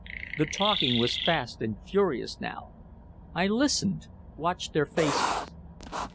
The talking was fast and furious now. I listened, watched their faces.